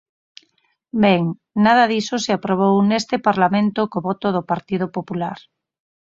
Ben, nada diso se aprobou neste Parlamento co voto do Partido Popular.